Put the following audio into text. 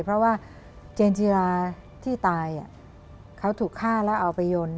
เพราะว่าเจนจิราที่ตายเขาถูกฆ่าแล้วเอาไปยนต์